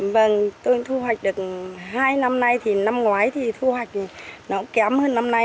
vâng tôi thu hoạch được hai năm nay thì năm ngoái thì thu hoạch nó cũng kém hơn năm nay